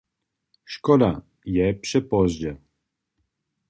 Škoda, je přepozdźe!